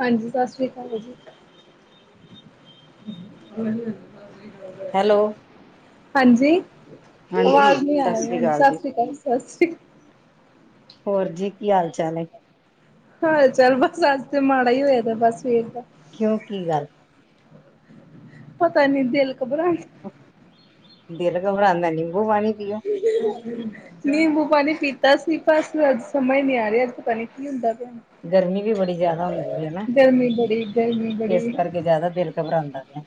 ਹਾਂਜੀ ਸਤਿ ਸ਼੍ਰੀ ਅਕਾਲ ਜੀ। [unintelligible] ਹੈਲੋ? ਹਾਂਜੀ ਹਾਂਜੀ ਆਵਾਜ਼ ਨੀ ਆ ਸਤਿ ਰਹੀ ਸ੍ਰੀ ਹਾਂਜੀ ਜੀ। ਸਤਿ ਸ਼੍ਰੀ ਅਕਾਲ ਸਤਿ ਸ਼੍ਰੀ ਅਕਾਲ। ਹੋਰ ਜੀ ਕੀ ਹਾਲ ਚਾਲ ਹੈ? ਹਾਲ ਚਾਲ ਬਸ ਅੱਜ ਤੇ ਮਾੜਾ ਹੀ ਹੋਇਆ ਦਾ ਬਸ ਸਵੇਰ ਦਾ। ਕਿਉਂ ਕੀ ਗੱਲ? ਪਤਾ ਨੀ ਦਿਲ ਘਬਰਾਈ ਦਿਲ ਘਬਰਾਉੰਦਾ ਨਿੰਬੂ ਪਾਣੀ ਪੀਓ। [unintelligible] ਨਿੰਬੂ ਪਾਣੀ ਪੀਤਾ ਸੀ ਬਸ ਅੱਜ ਸਮਝ ਹੀ ਨਹੀਂ ਆ ਰਿਹਾ ਅੱਜ ਪਤਾ ਨਹੀਂ ਕੀ ਹੁੰਦਾ ਪਿਆ। ਗਰਮੀ ਵੀ ਬੜੀ ਜਿਆਦਾ ਹੁੰਦੀ ਵੀ ਹੈਨਾ ਗਰਮੀ ਬੜੀ ਗਰਮੀ ਇਸ ਬੜੀ ਕਰਕੇ ਜ਼ਿਆਦਾ ਦਿਲ ਘਬਰਾਉਂਦਾ ਪਿਆ।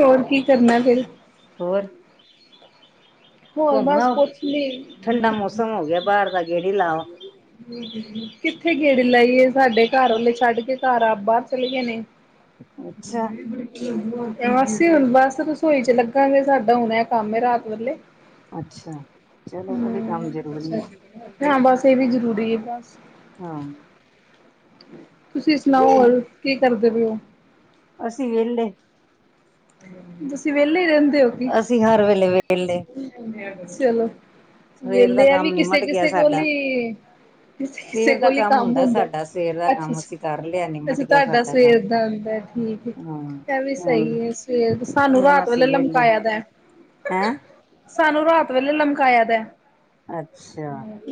ਹੋਰ ਕੀ ਕਰਨਾ ਫੇਰ? ਹੋਰ? ਹੋਰ ਘੁੰਮ ਬਸ ਆਓ। ਕੁਛ ਨਹੀਂ। ਠੰਡਾ ਮੌਸਮ ਹੋ ਗਿਆ ਬਾਹਰ ਦਾ ਗੇੜੀ ਲਾਓ ਕਿੱਥੇ ਗੇੜੇ ਲਾਈਏ ਸਾਡੇ ਘਰ ਵਾਲੇ ਛੱਡ ਕੇ ਘਰ ਆਪ ਬਾਹਰ ਚਲੇ ਗਏ ਨੇ। ਅੱਛਾ ਹ ਬੜੀ ਅਸੀਂ ਹੁਣ ਬਸ ਰਸੋਈ ਚ ਲੱਗਾਗੇ ਸਾਡਾ ਹੁਨ ਐ ਕੰਮ ਏ ਰਾਤ ਵੇਲੇ। ਅੱਛਾ ਚਲੋ, ਉਹ ਵੀ ਕੰਮ ਹਮ ਜਰੂਰੀ ਐ। ਹਾਂ ਬਸ ਏ ਵੀ ਜ਼ਰੂਰੀ ਏ ਬਸ। ਹਾਂ ਤੁਸੀਂ ਸੁਣਾਓ ਹੋਰ ਕੀ ਕਰਦੇ ਪਏ ਔ। ਅਸੀਂ ਵੇਲੇ। ਤੁਸੀਂ ਵੇਲੇ ਹੀ ਰਹਿੰਦੇ ਔ ਕਿ? ਜੀ ਹਰ ਵੇਲੇ ਵੇਲੇ। ਚਲੋ ਸਵੇਰ ਦਾ ਵੇਲੇ ਆ ਵੀ ਕੰਮ ਨਿਮਟ ਗਿਆ ਕਿਸੇ-ਕਿਸੇ ਕੋਲ ਸਾਡਾ। ਈ ਕਿਸੇ ਸਵੇਰ ਦਾ ਕੋਲ ਈ ਕੰਮ ਹੁੰਦਾ ਸਾਡਾ ਸਵੇਰ ਦਾ ਕੰਮ ਅਸੀਂ ਕਰ ਲਿਆ ਨਿਮਟ ਅੱਛਾ-ਅੱਛਾ ਗਿਆ ਤੁਹਾਡਾ ਸਾਡਾ ਕੰਮ। ਸਵੇਰ ਦਾ ਹੁੰਦਾ ਠੀਕ। ਹੂੰ, ਐ ਵੀ ਹੁਣ ਸਈ ਏ ਸਵੇਰ ਸਾਨੂੰ ਰਾਤ ਵੇਲੇ ਲਮਕਾਇਆ ਦੇ। ਹੈ? ਸਾਨੂੰ ਰਾਤ ਵੇਲੇ ਲਮਕਾਇਆ ਦਾ। ਅੱਛਾ।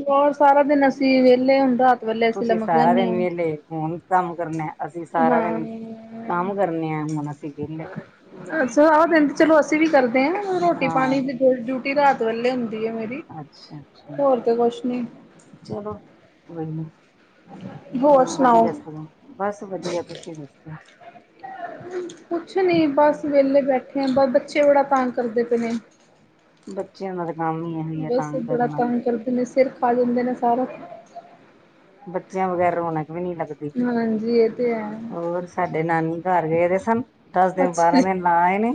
ਹੋਰ ਸਾਰਾ ਦਿਨ ਅਸੀਂ ਵੇਲੇ ਹੁੰਦਾ ਤੁਸੀਂ ਸਾਰਾ ਦਿਨ ਵੇਲੇ ਫੋਨ ਕੰਮ ਕਰਨਾ ਅਸੀਂ ਸਾਰਾ ਦਿਨ ਹਾਂ ਕੰਮ ਕਰਨੇ ਆ ਹੁਨ ਅ ਸੀ ਵੇਲੇ। ਅੱਛਾ ਆ ਦਿਨ ਚਲੋ ਅਸੀਂ ਵੀ ਕਰਦੇ ਹਾਂ ਰੋਟੀ ਹਾਂ ਪਾਨੀ ਦੀ ਡਿਊਟੀ ਰਾਤ ਵੇਲੇ ਹੁੰਦੀ ਏ ਮੇਰੀ। ਅੱਛਾ-ਅੱਛਾ ਹੋਰ ਤੇ ਕੁਛ ਨੀ ਚਲੋ ਕੋਈ ਨੀ। ਹੋਰ ਸੁਣਾਓ ਵਧੀਆ ਸਗੋ ਬਸ ਵਧੀਆ ਤੁਸੀਂ ਦੱਸੋ। ਕੁਛ ਨੀ ਬਸ ਵੇਲੇ ਬੈਠੇ ਆ ਬਸ ਬੱਚੇ ਬੜਾ ਤੰਗ ਕਰਦੇ ਪਏ ਨੇ। ਬੱਚਿਆਂ ਦਾ ਤਾਂ ਕੰਮ ਈ ਬਸ ਬੜਾ ਤੰਗ ਕਰਦੇ ਨੇ ਸਿਰ ਖਾ ਜਾਂਦੇ ਨੇ ਸਾਰਾ। ਬੱਚਿਆਂ ਵਗੈਰ ਰੌਣਕ ਵੀ ਨੀ ਲੱਗਦੀ, ਹਾਂਜੀ ਇਹ ਤੇ ਹੈ ਹੋਰ। ਸਾਡੇ ਨਾਨੀ ਕਾਰ ਗਏ ਦੇ ਸਨ ਦਸ ਦਿਨ ਅੱਛਾ ਜੀ ਬਾਰਾਂ ਦਿਨ ਲਾ ਆਏ ਨੇ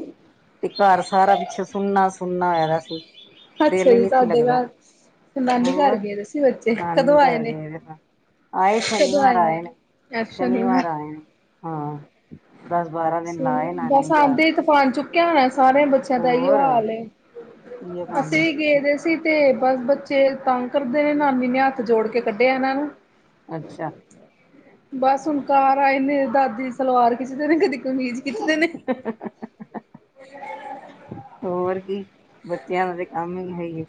ਤੇ ਕਾਰ ਸਾਰਾ ਪਿੱਛੇ ਸੁਨਾ-ਸੁਨਾ ਹੋਆ ਦਾ ਸੀ। ਦਿਲ ਅੱਛਾ ਹੀ ਜੀ ਨੀ ਸੀ ਤੁਹਾਡੇ ਲੱਗਦਾ, ਘਰ ਨਾਨੀ ਘਰ ਹੋਰ ਗਏ ਦੇ ਸੀ ਬੱਚੇ ਨਾਨੀ ਕਦੋਂ ਆਏ ਕਾਰ ਨੇ ਗਏ ਸਾ। ਆਏ ਸ਼ਨੀਵਾਰ ਆਏ ਨੇ, ਸ਼ਨੀਵਾਰ ਆਏ ਨੇ ਹਾਂ। ਦਸ-ਬਾਰਾਂ ਦਿਨ ਲਾ ਆਏ ਨਾਨੀ ਕਾਰ। ਬਨ ਚੁੱਕਿਆ ਹੋਣਾ ਸਾਰਿਆਂ ਬੱਚਿਆਂ ਦਾ ਇਯੋ ਹਾਲ ਏ ਇਹੀਓ ਕੰਮ ਅਸੀਂ ਨੇ ਵੀ ਬੱਚੇ ਗੇ ਦੇ ਸੀ ਤੇ ਬਸ ਬੱਚੇ ਤਾਂਗ ਕਰਦੇ ਨੇ ਨਾਨੀ ਨੇ ਹੱਥ ਜੋੜ ਕੇ ਕੱਢਿਆ ਇਹਨਾਂ ਨੂੰ। ਅੱਛਾ ਬਸ ਹੁਣ ਕਾਰ ਆਏ ਨੇ ਦਾਦੀ ਦੀ ਸਲਵਾਰ ਖਿੱਚਦੇ ਨੇ ਕਦੀ ਕਮੀਜ਼ ਖਿੱਚਦੇ ਨੇ। ਹੋਰ ਕੀ ਬੱਚਿਆਂ ਦਾ ਤੇ ਕਾਮ ਈ ਐ ਹੀ ਏ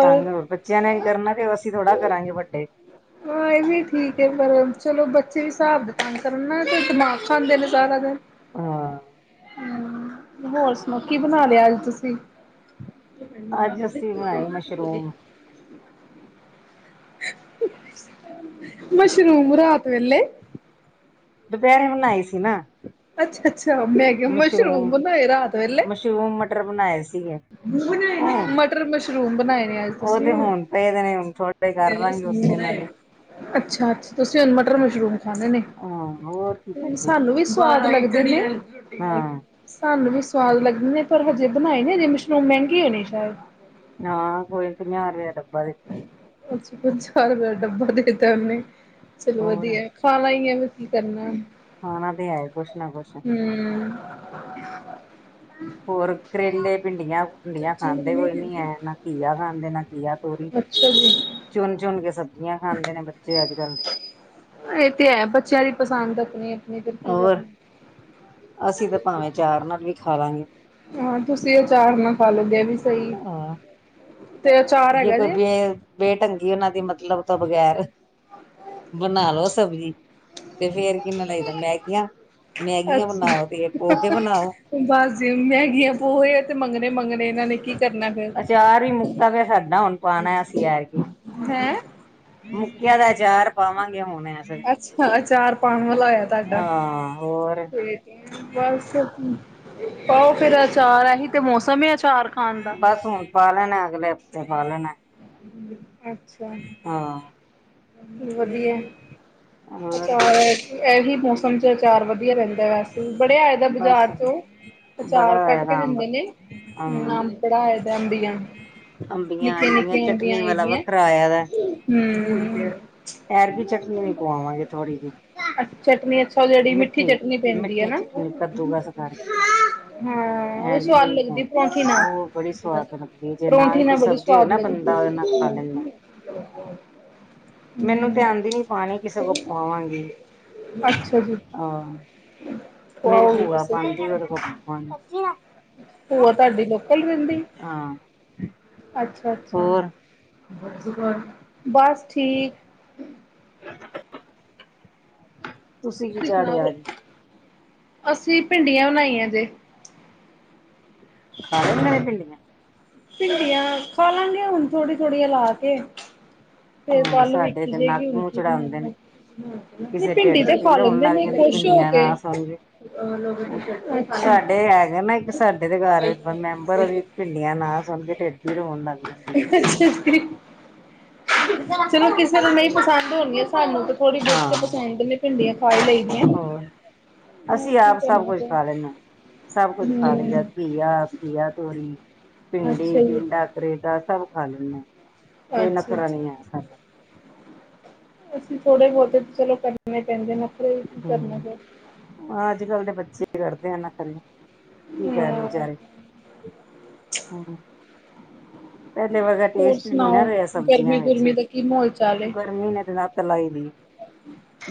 ਤੰਗ ਹੋਰ ਬੱਚਿਆਂ ਨੇ ਕਰਨਾ ਤੇ ਅਸੀਂ ਥੋੜਾ ਕਰਾਂਗੇ ਵੱਡੇ। ਹਾਂ ਇਹ ਵੀ ਠੀਕ ਐ ਪਰ ਚਲੋ ਬੱਚੇ ਵੀ ਸਾਬ ਦੇ ਤੰਗ ਕਰਨ ਨਾ ਤੇ ਦਿਮਾਗ ਖਾਂਦੇ ਨੇ ਸਾਰਾ ਦਿਨ। ਹਾਂ ਹੂੰ ਹੋਰ ਸੁਣਾਓ ਕੀ ਬਨਾ ਲਿਆ ਅੱਜ ਤੁਸੀਂ। ਅੱਜ ਅਸੀਂ ਬਣਾਈ ਮਸ਼ਰੂਮ [inaudible] ਸ਼ਰੂਮਮ ਰਾਤ ਵੇਲੇ? ਦੁਪਹਿਰੇ ਬਨਾਏ ਸੀ ਨਾ। ਅੱਛਾ-ਅੱਛਾ ਮੈਂ ਮਸ਼ਰੂਮ ਬਨਾਏ ਰਾਤ ਵੇਲੇ। ਮਸ਼ਰੂਮ ਮਟਰ ਬਣਾਏ ਸੀਗੇ ਉਹ ਮਟਰ ਮਸ਼ਰੂਮ ਬਨਾਏ ਨੇ ਅਜ ਉਹ ਤੁਸੀਂ। ਤੇ ਹੁਣ ਪਏ ਦੇ ਨੇ ਹੁਣ ਥੋੜੇ ਕਰ ਲਾਂਗੇ ਉਸੇ ਨਾਲ ਹੀ ਅੱਛਾ-ਅੱਛਾ ਤੁਸੀਂ ਹੁਨ ਹਾਂ ਮਟਰ-ਮਸ਼ਰੂਮ ਖਾਨੇ ਨੇ। ਹਾਂ ਹੋਰ। ਕੀ ਕਰਦੇ ਸਾਨੂੰ ਵੀ ਸਵਾਦ ਲੱਗਦੇ ਨੇ ਹਾਂ ਸਾਨੂੰ ਵੀ ਸਵਾਦ ਲੱਗਦੇ ਨੇ ਪਰ ਹਜੇ ਬਣਾਏ ਨੇ ਜੇ ਮਿਸ਼ਰੂੰਮ ਮਹਿੰਗੀ ਹੋਣੀ ਸ਼ਾਇਦ? ਹਾਂ ਕੋਈ ਪੰਜਾਹ ਰੁਪਇ ਡੱਬਾ ਦਿੱਤਾ ਅਛਾ ਪੰਜਾਹ ਰੁਪਇ ਡੱਬਾ ਦੇਤਾ ਉਹਨੇ ਚਲੋ ਹੋਰ ਵਧੀਆ ਖਾਣਾ ਹੀ ਹੈ। ਕੀ ਕਰਨਾ ਖਾਣਾ ਤੇ ਹੈ ਕੁਛ ਨਾ ਕੁਛ ਹਮ। ਹੋਰ ਕਰੇਲੇ ਭਿੰਡੀਆਂ ਭੁੰਡੀਆਂ ਸੱਚੀ ਖਾਂਦੇ ਕਿਵੇਂ ਕੋਈ ਨੀ ਹੈ ਖਾਦੀ। ਨਾ ਘੀਆ ਖਾਂਦੇ ਨਾ ਘੀਆ, ੳਹ ਹੀ ਅੱਛਾ ਜੀ ਚੁਣ ਚੁਣ ਕੇ ਸਬਜ਼ੀਆਂ ਖਾਂਦੇ ਨੇ ਬੱਚੇ ਅੱਜ ਕੱਲ੍ਹ ਦੇ, ਇਹ ਤੇ ਹੈ ਬੱਚਿਆਂ ਦੀ ਪਸੰਦ ਆਪਣੀ, ਆਪਣੀ ਫਿਰ ਕੀ ਹੋਰ ਕਰਨਾ। ਅਸੀਂ ਤਾਂ ਭਾਵੇਂ ਚਾਰ ਨਾਲ ਵੀ ਖਾ ਲਾਂਗੇ, ਹੋਰ ਤੁਸੀਂ ਅਚਾਰ ਨਾ ਖਾ ਲੈਂਦੇ ਇਹ ਵੀ ਸਹੀ ਹਾਂ ਹੈ ਤੇ ਅਚਾਰ ਹੈਗਾ ਕੋਈ ਜੇ, ਬੇ ਬੇਢੰਗੀ ਉਹਨਾਂ ਦੀ ਮਤਲਬ ਤੋਂ ਬਗੈਰ ਬਣਾ ਲੋ ਸਬਜ਼ੀ, ਤੇ ਫਿਰ ਕਿੰਨਾ ਲਈਦਾ ਮੈਗੀਆਂ ਮੈਗੀਆਂ ਅੱਛਾ ਬਣਾਓ ਤੇ ਪੋਹੇ ਬਣਾਓ, ਬਸ ਜੀ ਮਹਿਗੀਆਂ ਪੋਹੇ ਆ ਤੇ ਮੰਗਣੇ ਮੰਗਣੇ ਇਹਨਾਂ ਨੇ ਕੀ ਕਰਨਾ, ਫਿਰ ਅਚਾਰ ਹੀ ਮੁੱਕਾ ਪਿਆ ਸਾਡਾ ਹੁਣ ਪਾਉਣਾ ਅਸੀਂ ਐਰਕੀ ਹੈਂ ਕੀ, ਮੁੱਕਿਆਂ ਦਾ ਅਚਾਰ ਪਾਵਾਂਗੇ ਹੁਣ ਐਸ ਚਾਰ ਪਾਉਣ ਵਾਲਾ ਹੋਇਆ ਤੁਹਾਡਾ, ਹਾਂ, ਹੋਰ! ਬਸ ਪਾਓ ਫੇਰ ਆਚਾਰ ਐਹੀ ਤੇ ਮੌਸਮ ਹੀ ਆਚਾਰ, ਬਸ ਹੁਣ ਪਾ ਲੈਣਾ, ਅਗਲੇ ਹਫ਼ਤੇ ਪਾ ਲੈਣਾ। ਅੱਛਾ। ਹਾਂ। ਵਧੀਆ ਹੋਰ ਅਚਾਰ ਇਹੀ ਮੌਸਮ ਚ ਅਚਾਰ ਵਧ, ਵਧੀਆ ਰਹਿੰਦਾ ਵੇਸੇ ਬਡੇ ਆਏ ਦੇ ਬਾਜ਼ਾਰ ਬਸ ਚੋਂ ਅਚਾਰ ਬੜਾ ਕਟ ਆਇਆ ਕੇ ਦਾ ਅੰਬ ਦਿੰਦੇ ਨੇ। ਹੁਣ ਅੰ ਆਮ ਬੜਾ ਆਏ ਦਾ ਅਂਬੀਆਂ, ਅੰਬੀਆਂ ਨਿੱਕੀਆਂ ਆਈ ਦੀਆਂ ਨਿੱਕੀਆਂ ਅਂਬੀਆ ਚਟਨੀ ਆਈ ਵਾਲਾ ਦਿਆ, ਵੱਖਰਾ ਆਇਆ ਦਾ। ਹਮ, ਐਰਕੀ ਚਟਨੀ ਵੀ ਪਵਾਵਾਂਗੇ ਥੋੜ੍ਹੀ ਜੀ। ਅ ਚਟਨੀ ਅੱਛਾ ਓਹ ਜੇੜੀ ਮਿੱਠੀ ਚਟਨੀ ਪੈਂਦੀ ਏ ਮਿੱਠੀ ਨਾ। ਹਾਂ, ਚਟਨੀ ਕੱਦੂਕਸ ਕਰਕੇ ਓਹ ਵੀ ਐਰਕੀ ਉਹ ਸਵਾਦ ਲੱਗਦੀ ਏ ਪਵਾਵਾਂਗੇ। ਪਰੌਂਠੀ ਨਾਲ, ਉਹ ਬੜੀ ਸਵਾਦ ਲੱਗਦੀ ਹੈ ਜੇ ਨਾ ਵੀ ਪਰੌਂਠੀ ਕੋਈ ਨਾਲ ਬੜੀ ਸਬਜ਼ੀ ਹੋਏ ਸਵਾਦ ਨਾ ਲਗਦੀ ਏ। ਬੰਦਾ ਉਹਦੇ ਨਾਲ ਖਾ ਲੈਂਦਾ। ਮੈਨੂੰ ਤੇ ਆਂਦੀ ਨੀ ਪਾਣੀ ਕਿਸੇ ਕੋ ਪਾਵਾਵਾਂਗੀ। ਅੱਛਾ ਜੀ। ਆ [inaudible] ਮੇਰੀ ਭੂਆ ਪਾਂਦੀ ਓਹਦੇ ਕੋਲ ਪਵਾਵਾਂਗੀ। ਭੂਆ ਤਾਡੀ ਲੋਕਲ ਰੈੰਦੀ? ਹਾਂ ਅੱਛਾ ਅੱਛਾ। ਹੋਰ ਬਸ ਠੀਕ। ਤੁਸੀਂ ਕੀ ਚਾੜਿਆ ਅੱਜ? ਅਸੀਂ ਭਿੰਡੀਆਂ ਬਣਾਈਆਂ ਜੇ। ਖਾ ਲੈਂਦੇ ਨੇ ਭਿੰਡੀਆ? ਭਿੰਡੀਆਂ ਖਾ ਲਾ ਗੇ, ਹੋਣ ਥੋੜ੍ਹੀ-ਥੋੜ੍ਹੀ ਲਾ ਕੇ। ਫੇਰ ਹਾਂ ਕੱਲ ਸਾਡੇ ਵੇਖੀ ਤੇ ਨੱਕ ਜੇਗੀ ਹੁਣ ਮੂੰਹ ਕੀ ਚੜਾਉਂਦੇ ਨੇ ਬਣਾਣੈ। ਨੀ ਕਿਸੇ ਭਿੰਡੀ ਢਿੱਡ ਚ ਤੇ ਖਾ ਪੀੜ ਹੋਣ ਲੈਂਦੇ ਲੱਗ ਨੇ ਜਾਂਦੀ ਖੁਸ਼ ਹੋ ਭਿੰਡੀਆਂ ਕੇ। ਨਾ ਸੁਣ ਕੇ ਅੱਛਾ। ਸਾਡੇ ਹੈਗਾ ਨਾ ਇੱਕ ਸਾਡੇ ਦੇ ਘਰ ਮੈਂਬਰ ਉਹਦੀ ਭਿੰਡੀਆਂ ਨਾ ਸੁਣ ਕੇ ਢਿੱਡ ਪੀੜ ਹੋਣ ਲੱਗ ਜਾਂਦੀ‌। ਅੱਛਾ ਜੀ। ਚਲੋ ਕਿਸੇ ਨੂੰ ਨਹੀਂ ਪਸੰਦ ਹੋਣ ਗੀਆ ਸਾਨੂੰ ਥੋੜੀ ਬੌਤੀ ਤੇ ਹਾਂ ਸੈਡ ਲਈ ਭਿੰਡੀਆਂ ਖਾ ਈ ਲਈ ਦੀਆਂ। ਹੋਰ ਹੋਰ ਅਸੀਂ ਕੀ ਆਪ ਸਭ ਕਰਨਾ ਕੁੱਛ ਫੇਰ ਖਾ ਲੈਣੇ ਆਂ ਸਭ ਕੁੱਛ ਖਾ ਲਈ ਦਾ। ਹੂੰ ਘੀਆ, ਘੀਆ-ਤੋਰੀ, ਭਿੰਡੀ, ਅੱਛਾ ਜੀ ਟੀੰਡਾ, ਕਰੇਲਾ ਸਭ ਖਾ ਲੈਂਦਾ ਆਂ। ਕੋਈ ਨਾ ਅੱਛਾ ਅੱਛਾ। ਕਰਾਨੀ ਹਾਂ। ਅਸੀਂ ਥੋੜੇ ਬੌਤੇ ਚਲੋ ਕਰਣੇ ਪੈਂਦੇ ਨਾ। ਹੂੰ, ਅੱਜ-ਕੱਲ ਦੇ ਬੱਚੇ ਕਰਦੇ ਐ ਨਖਰੇ। ਕੀ ਕਹਿਣ ਹਾਂ ਵਿਚਾਰੇ, ਹੂੰ। ਪੈਲੇ ਵਰਗਾ ਹੋਰ ਟੇਸਟ ਵੀ ਨੀ ਨਾ ਸੁਣਾਓ ਰਿਆ ਸਬਜ਼ੀਆਂ ਗਰਮੀ ਵਿੱਚ ਗੁਰਮੀ ਦਾ ਕੀ ਮਾਹੌਲ ਚਾਲ ਏ। ਗਰਮੀ ਨੇ ਤੇ ਲੱਤ ਲਾਈ ਦੀ ਏ।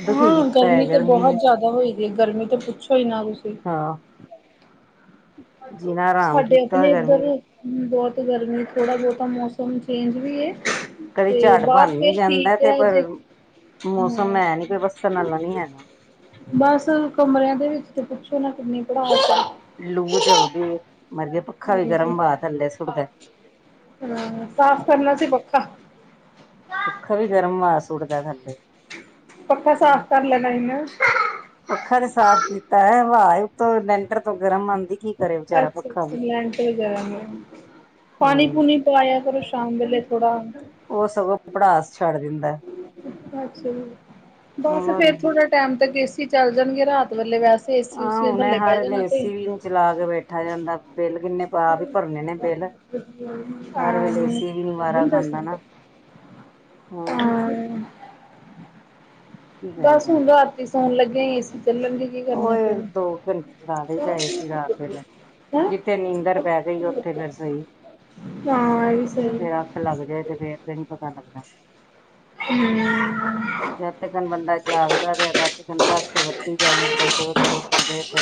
ਹਾਂ, ਗਰਮੀ ਤੇ ਨੇ। ਬਹੋਤ ਜਿਆਦਾ ਹੋਈ ਦੀ ਏ, ਗਰਮੀ ਤੇ ਪੁੱਛੋ ਈ ਨਾ ਤੁਸੀਂ। ਹਾਂ। ਜੀਣਾ ਹਰਾਮ ਸਾਡੇ ਆਪਣੇ ਕੀਤਾ ਗਰਮੀ ਏਧਰ ਨੇ ਬੋਤ ਗਰਮੀ ਏ ਥੋੜਾ ਬੌਤਾ ਮੌਸਮ ਚੇਂਜ ਵੀ ਏ। ਕਈ ਝਾੜ ਬਨ ਵੀ ਜਾਂਦਾ ਤੇ ਪਰ ਮੌਸਮ ਹਮ ਹੈ ਨੀ ਕੇ ਵਸਣ ਵਾਲਾ ਨੀ ਹੈਗਾ। ਬਸ ਕਮਰਿਆਂ ਦੇ ਵਿੱਚ ਤੇ ਪੁੱਛੋ ਨਾ ਕਿੰਨੀ ਪੜਾਸ ਐ। ਲੂ ਚਲਦੀ ਏ ਮਰਗੇ ਪਖਾ ਵੀ ਹਾਂਜੀ ਗਰਮ ਵਾ ਥੱਲੇ ਸੁੱਟਦਾ। ਹਾਂ ਸਾਫ਼ ਕਰਨਾ ਸੀ ਪੱਖਾ। ਪੱਖਾ ਵੀ ਗਰਮ ਮਾਸ ਸੁੱਟਦਾ ਥੱਲੇ। ਪੱਖਾ ਸਾਫ਼ ਕਰ ਲੈਣਾ ਹੀ ਨਾ। ਪੱਖਾ ਤੇ ਸਾਫ਼ ਕੀਤਾ ਐ ਹਵਾ ਈ ਉਤੋਂ ਲੈਂਟਰ ਤੋਂ ਗਰਮ ਆਂਦੀ ਹੀ ਅੱਛਾ- ਅੱਛਾ ਲੈਂਟਰ ਗਰਮ ਏ। ਹਾਂ ਪਾਣੀ-ਪੂਣੀ ਪਾਇਆ ਕਰੋ ਸ਼ਾਮ ਵੇਲੇ ਥੋੜਾ। ਉਹ ਸਗੋਂ ਪੜਾਸ ਛੱਡ ਦਿੰਦਾ ਅੱਛਾ ਜੀ, ਬਸ ਹੋਰ ਫਿਰ ਥੋੜਾ ਟੈਮ ਤਕ ਏਸੀ ਚੱਲ ਜਾਣਗੇ ਰਾਤ ਵੇਲੇ ਵੈਸ ਆਂ ਹੁਣੇ ਹਰ ਏਸੀ ਚਲਾ ਦਵੇ ਠਾ ਜਾਂਦਾ ਬਿਲ ਕਿੰਨੇ ਪਾਪ ਈ ਭਰਨੇ ਨੇ ਬਿਲ। ਹਰ ਵੇਲੇ ਏਸੀ ਵੀ ਨੀ ਵਾਰਾ ਖਾਂਦਾ ਨਾ। ਹਾਂ। ਬਸ ਹੁਣ ਰਾਤੀ ਸੋਣ ਲੱਗਿਆਂ ਏਸੀ ਚੱਲਣ ਦੀ। ਓਏ ਦੋ ਘੰਟੇ ਚਲਾ ਦਈ ਏਸੀ ਰਾਤ ਵੇਲੇ। ਹੈਂ ਜਿੱਥੇ ਨੀਂਦਰ ਪੈ ਗਈ ਉੱਥੇ ਫਿਰ ਸਹੀ। ਹਾਂ ਐਵੀ ਸਈ ਫਿਰ ਅੱਖ ਲੱਗ ਫਿਰ ਤੇ ਨੀ ਪਤਾ ਲੱਗਦਾ [unintelligible] [unintelligible] ਬੰਦਾ ਜਾਗਦਾ ਪਿਆ ਤਾਂ ਚਿਕਨ ਪਾਸੇ ਵੱਟੀ [unintelligible] ਉਧਰ ਇਧਰ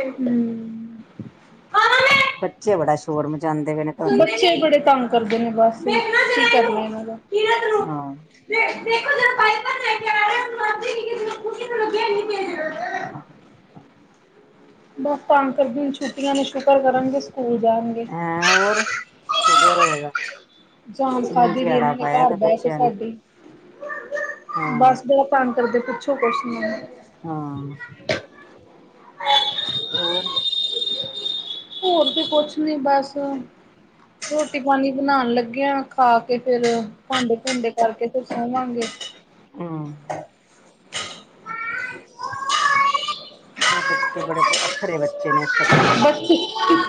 ਹੂੰ,,, ਬੱਚੇ ਬੜਾ ਸ਼ੋਰ ਮਚਾਂਦੇ ਵੇ ਨੇ ਤੁਹਾਡੇ ਬੱਚੇ ਬੜੇ ਤੰਗ ਕਰਦੇ ਨੇ ਬਸ ਕੀ ਕਰੀਏ ਇਨਾਂ ਦਾ ਹਾਂ [unintelligible] [unintelligible] [inaudible] ਬਸ ਤੰਗ ਕਰਦੇ ਛੁੱਟੀਆਂ ਨੇ ਸ਼ੁਕਰ ਕਰਨਗੇ ਸਕੂਲ ਜਾਨਗੇ। ਸ਼ੁਕਰ ਹੋਏਗਾ। ਜਾਨ ਚੀਂ ਖਾਦੀ ਦੀ ਚਿਹਾੜਾ ਇਨਾਂ ਨੇ ਪਾਇਆ ਘਰ ਤਾਂ ਬੈ ਕੇ ਬੱਚਿਆਂ ਨੇ ਸਾਡੀ ਹਾਂ ਬਸ ਬੋ ਤੰਗ ਕਰਦੇ, ਪੁੱਛੋ ਕੁਛ ਨੀ ਹਾਂ, ਹੋਰ ਹੋਰ ਤੇ ਕੁਛ ਨੀ ਬਸ ਰੋਟੀ ਪਾਨੀ ਬਨਾਨ ਲੱਗੇ ਆ, ਖਾ ਕੇ ਫੇਰ ਪਾਂਡੇ-ਪੁਡੇ ਕਰਕੇ ਫੇਰ ਸੋਵਾਂਗੇ। ਹੂੰ। ਐਹ ਬੱਚੇ ਬੜੇ ਅੱਥਰੇ ਬੱਚੇ ਨੇ ਅੱਥਰੇ ਬੱਚੇ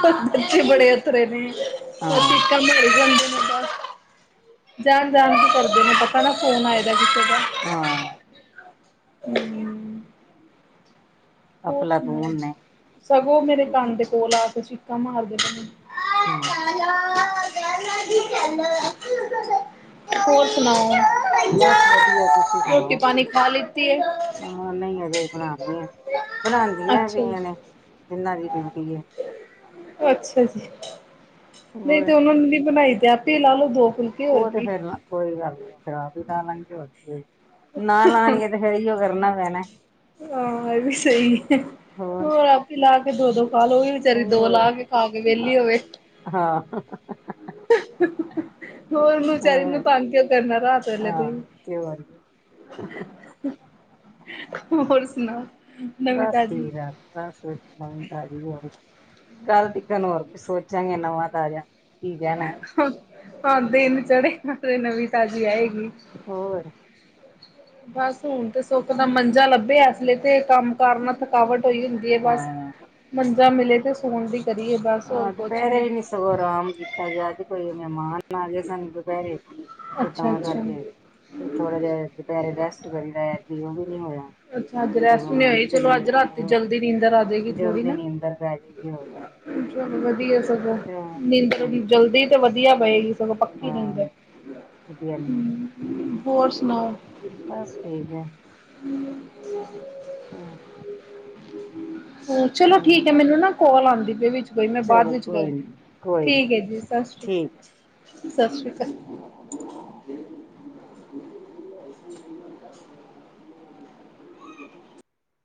ਬੱਚੇ ਬੜੇ ਅਥਰੇ ਨੇ, [unintelligible] ਹਾਂ ਕੰਮ ਕਰੀ ਜਾਂਦੇ ਨੇ [unintelligible] ਜਾਨ-ਜਾਨ ਕੇ ਕਰਦੇ ਨੇ ਪਤੈ ਨਾ ਫੋਨ ਆਏ ਦਾ ਕਿਸੇ ਦਾ ਹਾਂ। ਹੂੰ। ਹੋਰ ਸੁਣਾਓ ਅਫਲਾਤੂਨ ਨੇ ਸਗੋਂ ਮੇਰੇ ਕੰਨ ਦੇ ਕੋਲ ਆ ਕੇ ਚੀਕਾਂ ਮਾਰਦੇ ਪ‌ਏ ਨੇ। ਹਾਂ ਹੋਰ ਹੋਰ ਸੁਣਾਓ, ਬਸ ਵਧੀਆ ਤੁਸੀਂ ਸੁਣਾਓ ਰੋਟੀ-ਪਾਨੀ ਖਾ ਲੀਤੀ ਏ? ਹਾਂ, ਨਈ ਅਜੇ ਬਨਾਨੀ ਐ, ਬਨਾਦੀਆਂ ਅੱਛਾ ਪ‌ਈਆ ਨੇ ਤਿੰਨਾਂ ਦੀ ਡਿਯੂਟੀ ਏ। ਅੱਛਾ‌ ਜੀ। ਨਈ ਹੋਰ ਤੇ ਓਨਾਂ ਨੇ ਨੀ ਬਨਾਈ ਤੇ ਆਪੇ ਈ ਲਾ ਲੋ ਦੋ ਫੁੱਲ ਓ ਤੇ ਫੇਰ ਕੋਈ ਗੱਲ ਨੀ, ਫੇਰ ਆਪ ਈ ਲਾ ਲਾਂਗੀ ਤੇ ਹੋਰ ਕੀ ਏ। ਨਾ ਲਾਨਗੇ ਤੇ ਫੇਰ ਏਈਓ ਕਰਨਾ ਪੈਣਾ। ਆ ਐ ਵੀ ਸਈ ਏ, ਹੋਰ ਆਪ ਈ ਲਾਕੇ ਦੋ-ਦੋ ਖਾਲੋ ਗੇ। ਵਚਾਰੀ ਦੋ ਹੋਰ ਲਾ ਕੇ ਖਾ ਕੇ ਵੇਲੀ ਹੋਵੇ। ਹਾਂ ਹੋਰ, ਓਨੂੰ ਵਚਾਰੀ ਹਾਂ ਨੂੰ ਤੰਗ ਕਿਓ ਕਰਨਾ ਰਾਤ ਵੇਲੇ ਤੁਈ। ਹਾਂ ਤੇ ਹੋਰ [inaudible] ਹੋਰ ਸੁਨਾਓ? ਬਸ ਠੀਕ ਐ, ਬਸ [unintelligible] ਹੋਰ ਕੱਲ ਤੀਕਨ ਹੋਰ [unintelligible] ਸੋਚਾਂਗੇ ਨਵਾਂ-ਤਾਜਾ। ਹਾਂ ਦਿਨ ਚੜੇਗਾ ਤੇ ਨਵੀਂ ਤਾਜ਼ੀ ਆਏਗੀ। ਹੋਰ ਬਸ ਹੁਨ ਤੇ ਸੁੱਖ ਦਾ ਮੰਜਾ ਲੱਭਿਆ, ਐਸਲੇ ਤੇ ਕੰਮ-ਕਾਰ ਨਾਲ ਥੱਕ ਥਕਾਵਟ ਹੋਈ ਹੁੰਦੀ ਏ ਬਸ, ਹਾਂ ਮੰਜਾ ਮਿਲੇ ਤੇ ਸੋਣ ਦੀ ਕਰੀਏ ਬਸ। ਹੋਰ ਹਾਂ, ਕੁਛ ਦੁਪੈਰੇ ਵੀ ਨੀ ਸਗੋਂ ਰਾਮ ਕੀਤਾ ਗਿਆ, ਅੱਜ ਕੋਈ ਮੈਹਮਾਨ ਆ ਗਏ ਸਨ ਦੁਪੈਰੇ। ਤੇ ਅੱਛਾ ਤਾਂ ਅੱਛਾ। ਕਾਰਕੇ ਥੋੜਾ ਜੇਆ ਦੁਪੈਰੇ ਰੈਸਟ ਕਰੀਦਾ ਐਕਤੀ ਓਵੀ ਨੀ ਹੋਇਆ। ਅੱਛਾ, ਅੱਜ ਰੈਸਟ ਸਗੋਂ ਨੀ ਹੁਣ ਹੋਈ, ਚਲੋ ਸਰੀਰ ਅੱਜ ਰਾਤੀ ਅਹ ਜਲਦੀ ਨੀਂਦਰ ਆਜੇਗੀ ਥੋੜੀ ਜਲਦੀ ਨਾ‌ ਨੀਂਦਰ ਪੈ ਜਾਏਗੀ ਹੋਰ ਕੀ ਚਲੋ ਵਧੀਐ ਸਗੋਂ, ਤੇ ਨੀਂਦਰ ਹਾਂਜੀ ਓਦੀ ਜਲਦੀ ਤੇ ਵਦੀਆ ਪਏਗੀ। ਚਲੋ ਪੱਕੀ ਨਿੰਦਰ, ਹਾਂ ਵਧੀਆ ਨੀਂਦਰ ਪੈ ਜਾਏਗੀ ਹੋਰ ਸੁਨਾਓ? ਬਸ ਠੀਕ ਐ। ਹੂੰ। ਹੂੰ ਚਲੋ ਠੀਕ ਐ ਮੈਨੂੰ ਨਾ ਕੌਲ ਆਦੀ ਪ‌ਈ ਵਿਚ। ਕੋਈ ਨੀ ਮੈਂ ਬਾਦ ਚਲੋ ਵਿੱਚ ਕਰਦੀ ਕੋਈ ਨੀ ਆ, ਕੋਈ ਨੀ ਠੀਕ ਐ ਜੀ ਸਤਿ ਸ਼੍ਰੀ, ਠੀਕ ਸਤਿ ਸ੍ਰੀ ਕਾਲ।